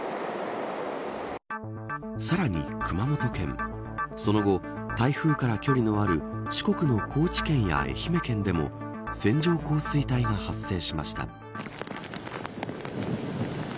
さらに、熊本県その後、台風から距離のある四国の高知県や愛媛県でも線状降水帯が発生しました。